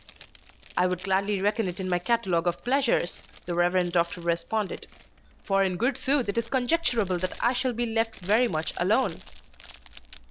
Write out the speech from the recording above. "I would gladly reckon it in my catalogue of pleasures," the Rev. Doctor responded; "for in good sooth it is conjecturable that I shall be left very much alone."